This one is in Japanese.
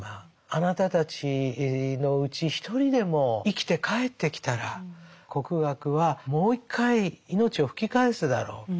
あなたたちのうち一人でも生きて帰ってきたら国学はもう一回命を吹き返すだろう」。